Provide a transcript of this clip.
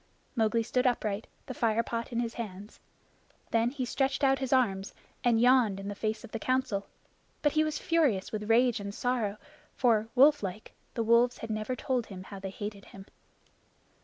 Mowgli stood upright the fire pot in his hands. Then he stretched out his arms, and yawned in the face of the Council; but he was furious with rage and sorrow, for, wolflike, the wolves had never told him how they hated him.